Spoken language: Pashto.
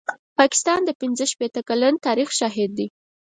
د پاکستان پنځه شپېته کلن تاریخ شاهد دی.